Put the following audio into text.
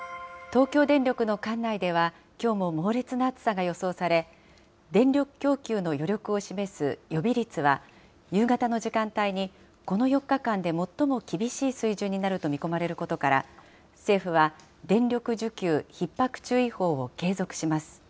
東京電力の管内では、きょうも猛烈な暑さが予想され、電力供給の余力を示す予備率は、夕方の時間帯にこの４日間で最も厳しい水準になると見込まれることから、政府は電力需給ひっ迫注意報を継続します。